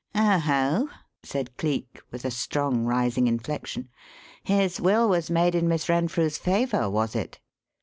"Oho!" said Cleek, with a strong rising inflection. "His will was made in Miss Renfrew's favour, was it?"